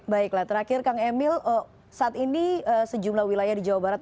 baiklah terakhir kang emil saat ini sejumlah wilayah di jawa barat